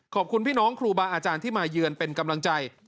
ขอบคุณพี่น้องครูบาอาจารย์ที่มาเยือนเป็นกำลังใจ